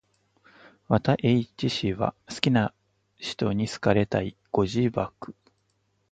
綿 h 氏は好きな使途に好かれたい。ご自爆